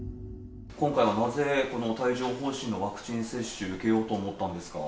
今回はなぜ、この帯状ほう疹のワクチン接種、受けようと思ったんですか？